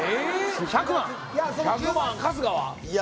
１００万春日は？